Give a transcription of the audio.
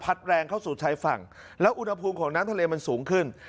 แรงเข้าสู่ชายฝั่งแล้วอุณหภูมิของน้ำทะเลมันสูงขึ้น